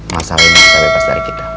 masalah ini kita bebas dari kita